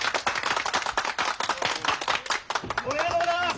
おめでとうございます！